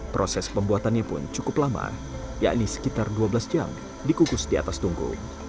proses pembuatannya pun cukup lama yakni sekitar dua belas jam dikukus di atas tunggu